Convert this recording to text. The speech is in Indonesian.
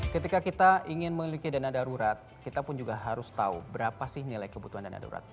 ketika kita ingin memiliki dana darurat kita pun juga harus tahu berapa sih nilai kebutuhan dana darurat